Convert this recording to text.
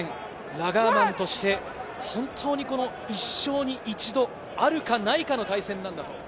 ラガーマンとして本当に一生に一度あるかないかの対戦なんだと。